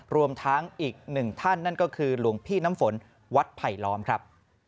รวมทั้งอีกหนึ่งท่านนั่นก็คือหลวงพี่น้ำฝนวัดไผลล้อมครับ